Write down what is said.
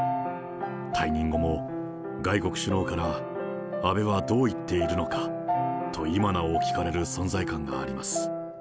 退任後も外国首脳から、安倍はどう言っているのかと今なお聞かれる存在感があります。